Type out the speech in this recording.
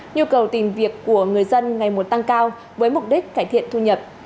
nhu cầu tìm việc của người dân ngày một tăng cao với mục đích cải thiện thu nhập